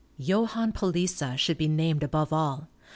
Johann Palisa should be named above all.